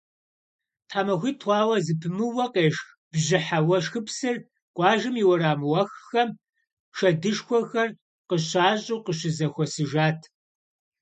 ТхьэмахуитӀ хъуауэ зэпымыууэ къешх бжьыхьэ уэшхыпсыр къуажэм и уэрам уэххэм шэдышхуэхэр къыщащӀу къыщызэхуэсыжат.